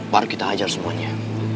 baru kita ajar semuanya